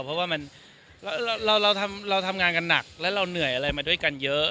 เพราะว่าเราทำงานกันหนักแล้วเราเหนื่อยอะไรมาด้วยกันเยอะ